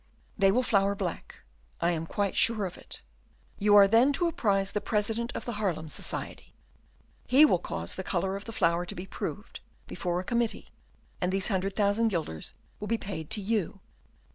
They will flower black, I am quite sure of it. You are then to apprise the President of the Haarlem Society. He will cause the color of the flower to be proved before a committee and these hundred thousand guilders will be paid to you."